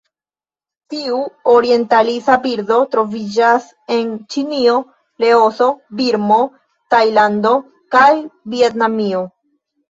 Tiu orientalisa birdo troviĝas en Ĉinio, Laoso, Birmo, Tajlando kaj Vjetnamio.